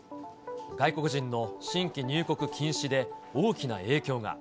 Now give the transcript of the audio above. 外国人の新規入国禁止で、大きな影響が。